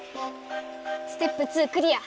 ステップ２クリア！